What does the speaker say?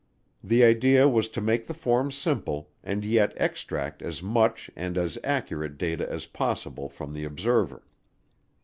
The idea was to make the form simple and yet extract as much and as accurate data as possible from the observer.